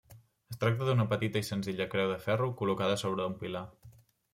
Es tracta d'una petita i senzilla creu de ferro, col·locada sobre un pilar.